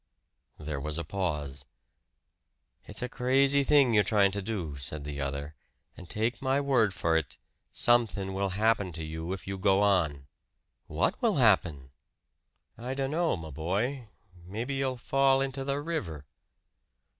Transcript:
There was a pause. "It's a crazy thing you're tryin' to do," said the other. "And take my word for it somethin' will happen to you if you go on." "What will happen?" "I dunno, my boy maybe you'll fall into the river."